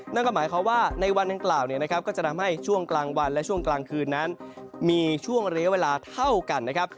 นั่นก็หมายความว่าในวันดังกล่าวเนี่ยนะครับก็จะทำให้ช่วงกลางวันและช่วงกลางคืนนั้นมีช่วงระยะเวลาเท่ากันนะครับ